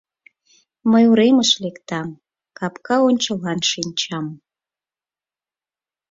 — Мый уремыш лектам, капка ончылан шинчам.